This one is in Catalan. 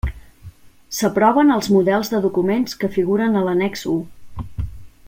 S'aproven els models de documents que figuren a l'Annex u.